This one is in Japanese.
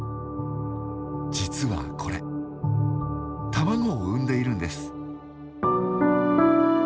実はこれ卵を産んでいるんです。